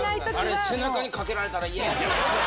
あれ背中にかけられたら嫌やな。